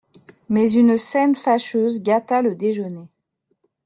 Mais une scène fâcheuse gâta le déjeuner.